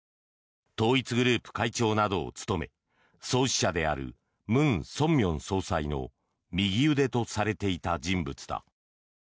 統一グループ会長などを務め創始者であるムン・ソンミョン総裁の右腕とされていた人物だ。